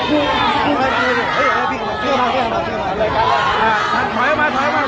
ขอบคุณมากนะคะแล้วก็แถวนี้ยังมีชาติของ